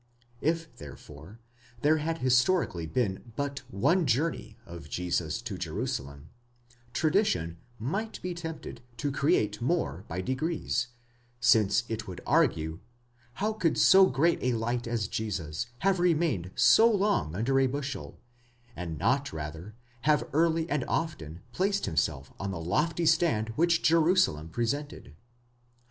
If, therefore, there had historically been but one journey of Jesus to Jerusalem, tradition might be tempted to create more by degrees, since it would argue—how could so great a light as Jesus have remained so long under a bushel, and not rather have early and often placed himself on the lofty stand which Jerusalem presented?